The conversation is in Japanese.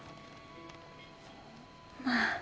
まあ。